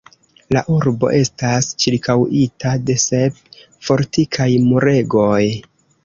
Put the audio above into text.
La urbo estas ĉirkaŭita de sep fortikaj muregoj.